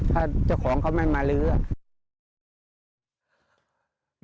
ถ้าเจ้าของเขาไม่มาลื้ออ่ะ